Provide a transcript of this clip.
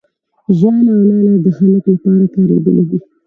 ، ژاله او لاله د هلک لپاره کارېدلي دي.